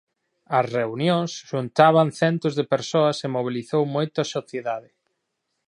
As reunións xuntaban centos de persoas e mobilizou moito á sociedade.